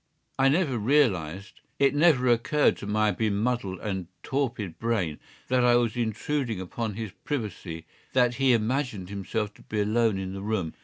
I never realized—it never occurred to my bemuddled and torpid brain that I was intruding upon his privacy, that he imagined himself to be alone in the room.